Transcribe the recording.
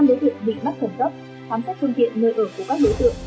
năm đối tượng bị bắt khẩn cấp khám xét phương tiện nơi ở của các đối tượng